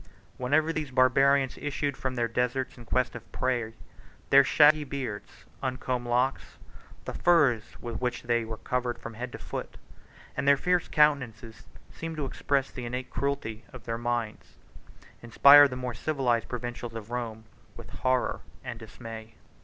39 Whenever these Barbarians issued from their deserts in quest of prey, their shaggy beards, uncombed locks, the furs with which they were covered from head to foot, and their fierce countenances, which seemed to express the innate cruelty of their minds, inspired the more civilized provincials of Rome with horror and dismay.